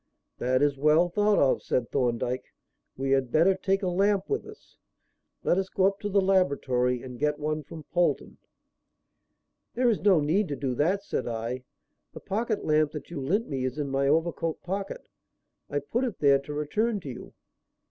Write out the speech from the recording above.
"That is well thought of," said Thorndyke. "We had better take a lamp with us. Let us go up to the laboratory and get one from Polton." "There is no need to do that," said I. "The pocket lamp that you lent me is in my overcoat pocket. I put it there to return it to you."